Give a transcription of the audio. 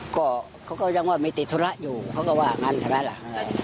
ก็เขาก็ยังว่าไม่ติดธุระอยู่เขาก็ว่างั้นใช่ไหมล่ะ